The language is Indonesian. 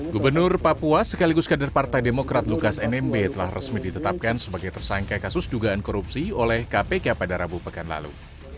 gubernur papua sekaligus kader partai demokrat lukas nmb telah resmi ditetapkan sebagai tersangka kasus dugaan korupsi oleh kpk pada rabu pekan lalu